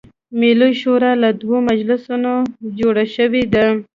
ملي شورا له دوه مجلسونو جوړه شوې ده.